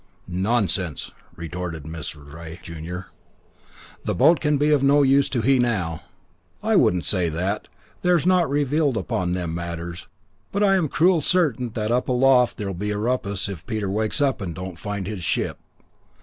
"Nonsense," retorted Mrs. Rea, junior. "The boat can be no use to he, now." "I wouldn't say that. There's naught revealed on them matters. But I'm cruel certain that up aloft there'll be a rumpus if Peter wakes up and don't find his ship."